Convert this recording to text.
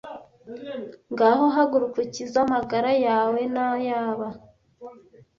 Ngaho haguruka ukize amagara yawe nayaba